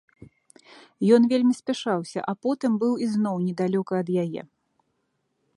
Ён вельмі спяшаўся, а потым быў ізноў недалёка ад яе.